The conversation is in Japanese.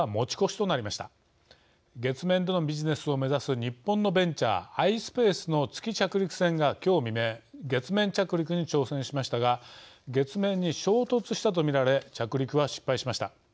月面でのビジネスを目指す日本のベンチャーｉｓｐａｃｅの月着陸船が今日未明月面着陸に挑戦しましたが月面に衝突したと見られ着陸は失敗しました。